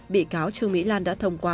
bị cáo trương mỹ lan đã thông qua